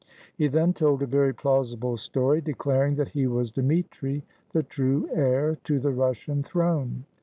He then told a very plausible story, declaring that he was Dmitri, the true heir to the Russian throne.